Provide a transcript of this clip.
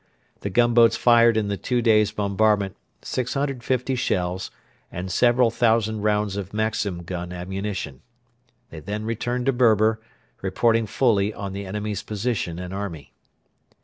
The gunboats fired in the two days' bombardment 650 shells and several thousand rounds of Maxim gun ammunition. They then returned to Berber, reporting fully on the enemy's position and army.